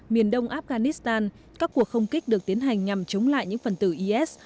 miền đông afghanistan các cuộc không kích được tiến hành nhằm chống lại những phần tử is